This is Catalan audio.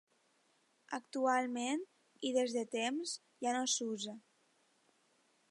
Actualment, i des de temps, ja no s'usa.